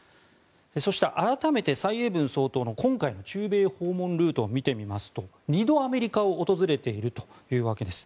そして、改めて蔡英文総統の今回の中米訪問ルートを見てみますと２度、アメリカを訪れているというわけです。